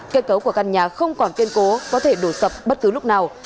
kết cấu của căn nhà không còn kiên cố có thể đổ sập bất cứ lúc nào